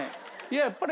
やっぱり。